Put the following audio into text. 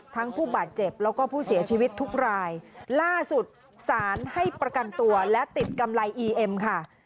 ผู้บาดเจ็บแล้วก็ผู้เสียชีวิตทุกรายล่าสุดสารให้ประกันตัวและติดกำไรอีเอ็มค่ะ